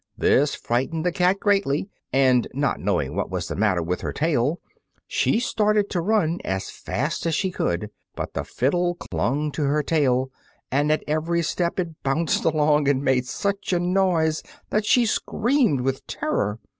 This frightened the cat greatly, and not knowing what was the matter with her tail, she started to run as fast as she could. But still the fiddle clung to her tail, and at every step it bounded along and made such a noise that she screamed with terror.